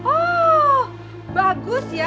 oh bagus ya